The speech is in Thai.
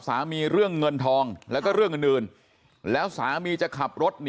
เรื่องเงินทองแล้วก็เรื่องอื่นแล้วสามีจะขับรถหนี